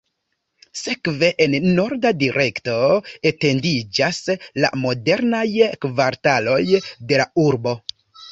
Sekve, en norda direkto, etendiĝas la modernaj kvartaloj de la urbo.